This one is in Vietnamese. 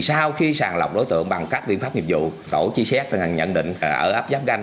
sau khi sàng lọc đối tượng bằng các biện pháp nghiệp vụ tổ truy xét đã nhận định ở áp giáp ganh